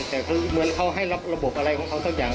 แต่คือเหมือนเขาให้รับระบบอะไรของเขาสักอย่าง